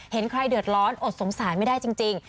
เห็นใครเดือดร้อนอดสงสารไม่ได้จริง